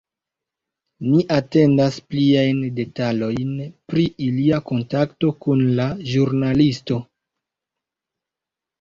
Ni atendas pliajn detalojn pri ilia kontakto kun la ĵurnalisto.